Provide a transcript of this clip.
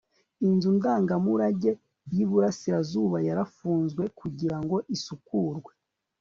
inzu ndangamurage y'iburasirazuba yarafunzwe kugirango isukure